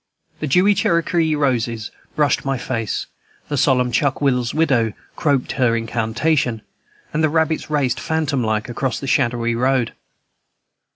The dewy Cherokee roses brushed my face, the solemn "Chuckwill's widow" croaked her incantation, and the rabbits raced phantom like across the shadowy road.